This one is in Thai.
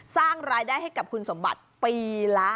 สร้างรายได้ให้กับคุณสมบัติปีละ